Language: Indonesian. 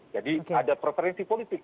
jadi ada preferensi politik